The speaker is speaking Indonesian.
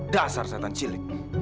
dasar setan cilik